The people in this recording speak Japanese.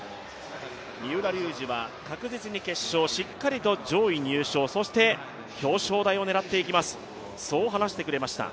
三浦龍司は確実に決勝、しっかりと上位入賞、そして表彰台を狙っていきます、そう話してくれました。